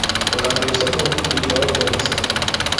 Ngàndò ìsɔ pɔ̄n ndi ɓě iyɔ̀ɔ ɓɛ̄ɛ ŋ̀sɔnl.